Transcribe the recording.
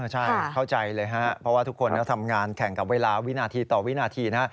ใช่เข้าใจเลยครับเพราะว่าทุกคนก็ทำงานแข่งกับเวลาวินาทีต่อวินาทีนะ